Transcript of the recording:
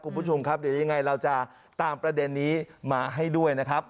คุณผู้ชมครับเดี๋ยวยังไงเราจะตามประเด็นนี้มาให้ด้วยนะครับ